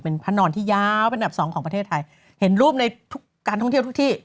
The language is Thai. เป็นพระนอนที่ยาวเป็นดับสองของประเทศไทยเห็นรูปในทุกการท่องเที่ยวทุกที่